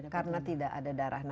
karena tidak ada darah